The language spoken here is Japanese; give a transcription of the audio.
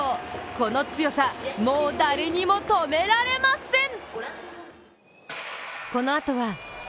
この強さ、もう誰にも止められません。